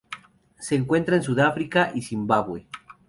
Se encuentra en Sudáfrica y Zimbabue.